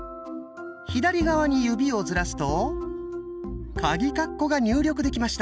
左側に指をずらすとカギカッコが入力できました。